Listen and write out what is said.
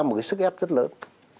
một cái sức ép rất lớn